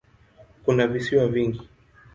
Kuna visiwa vingi.